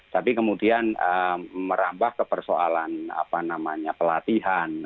tapi kemudian merambah ke persoalan apa namanya pelatihan